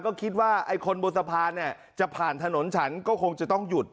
ก็คิดว่าไอ้คนบนสะพานเนี่ยจะผ่านถนนฉันก็คงจะต้องหยุด